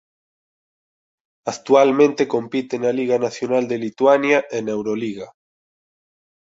Actualmente compite na Liga nacional de Lituania e na Euroliga.